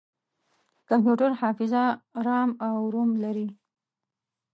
کمپیوټر حافظه رام او روم لري.